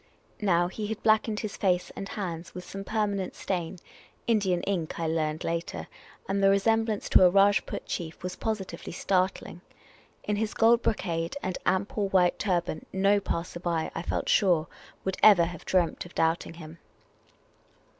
Now, he had blackened his face and hands with some permanent stain — Indian ink, I learned later — and the resemblance to a Rajput chief was positivelj' startling. In his gold brocade and ample white turban, no passer by, I felt sure, would ever have dreamt of doubting him.